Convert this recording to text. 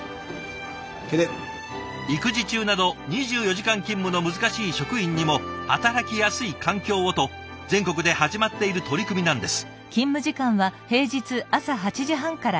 育児中など２４時間勤務の難しい職員にも働きやすい環境をと全国で始まっている取り組みなんです。